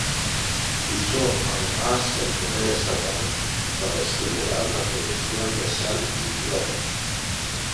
Usó además el poder estatal para estimular la producción de sal y hierro.